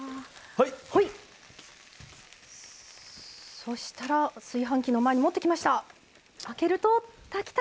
そしたら炊飯器の前に持ってきました。